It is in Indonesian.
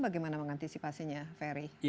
bagaimana mengantisipasinya ferry